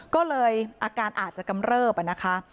ก็เลยอาการอาจจะกำเริบนะคะ